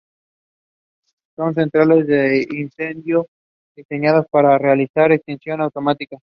Son centrales de incendio diseñadas para realizar extinción automática.